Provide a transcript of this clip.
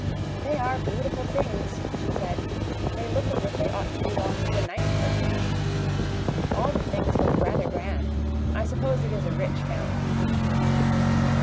"They are beautiful things," she said; "they look as if they ought to belong to a nice person. All the things look rather grand. I suppose it is a rich family."